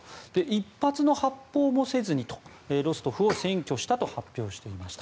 １発の発砲もせずにロストフを占拠したと発表していました。